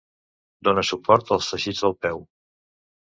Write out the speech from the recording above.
Dóna suport als teixits del peu.